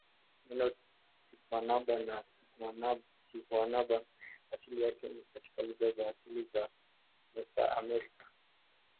Neno siguanaba au sihuanaba asili yake ni katika lugha za asili za Mesoamerica.